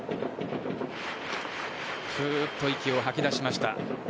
ふうっと息を吐き出しました。